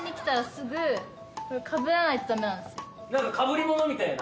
何かかぶり物みたいな？